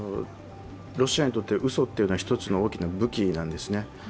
ロシアにとってうそというのは一つの大きな武器なんですね